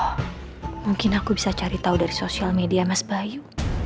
mungkin aku bisa cari tahu dari sosial media mas bayu